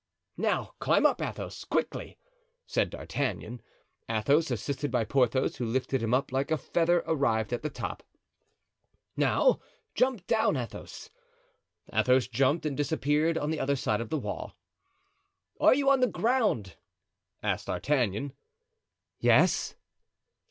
"Now climb up, Athos, quickly," said D'Artagnan. Athos, assisted by Porthos, who lifted him up like a feather, arrived at the top. "Now, jump down, Athos." Athos jumped and disappeared on the other side of the wall. "Are you on the ground?" asked D'Artagnan. "Yes."